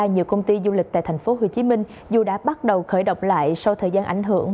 nhiều công ty du lịch tại tp hcm dù đã bắt đầu khởi động lại sau thời gian ảnh hưởng